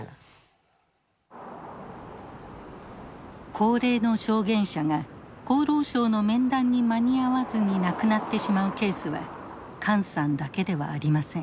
高齢の証言者が厚労省の面談に間に合わずに亡くなってしまうケースは管さんだけではありません。